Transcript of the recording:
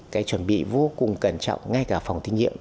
cái chuẩn bị vô cùng cẩn trọng ngay cả phòng thí nghiệm